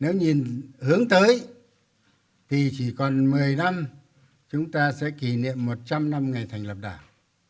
nếu nhìn hướng tới thì chỉ còn một mươi năm chúng ta sẽ kỷ niệm một trăm linh năm ngày thành lập đảng